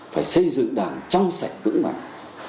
phải xây dựng đảng trong sạch vững mạnh